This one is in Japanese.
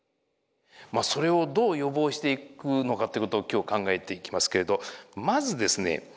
それをどう予防していくのかってことを今日考えていきますけれどまずですね